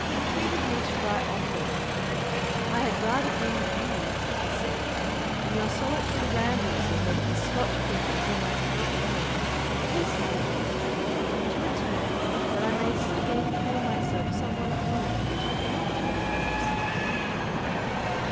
He entreated me to write often. "I had rather be with you," he said, "in your solitary rambles, than with these Scotch people, whom I do not know; hasten, then, my dear friend, to return, that I may again feel myself somewhat at home, which I cannot do in your absence."